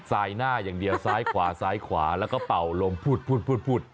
หน้าอย่างเดียวซ้ายขวาซ้ายขวาแล้วก็เป่าลมพูดพูด